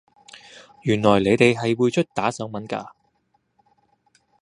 原來你哋係會出打手文架